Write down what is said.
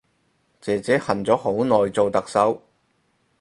姐姐恨咗好耐做特首